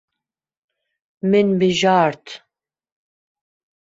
Min bijart.